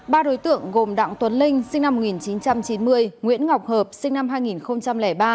ba đối tượng gồm đặng tuấn linh sinh năm một nghìn chín trăm chín mươi nguyễn ngọc hợp sinh năm hai nghìn ba